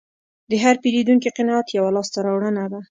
د هر پیرودونکي قناعت یوه لاسته راوړنه ده.